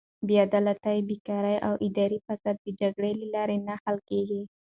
بېعدالتي، بېکاري او اداري فساد د جګړې له لارې نه حل کیږي.